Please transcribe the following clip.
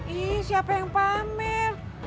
ih siapa yang pamer